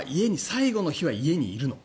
最後の日は家にいるの。